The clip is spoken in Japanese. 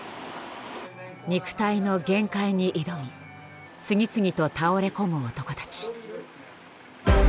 肉体の限界に挑み次々と倒れ込む男たち。